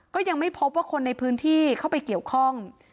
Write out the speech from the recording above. ก็ยังไม่พบว่าคนในพื้นที่เข้าไปเกี่ยวข้อง